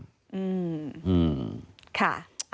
อืมค่ะ